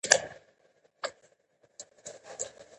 افغانستان د د هېواد مرکز لپاره مشهور دی.